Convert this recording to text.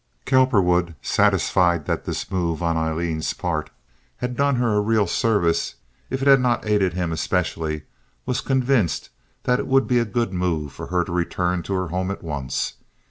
Cowperwood, satisfied that this move on Aileen's part had done her a real service if it had not aided him especially, was convinced that it would be a good move for her to return to her home at once.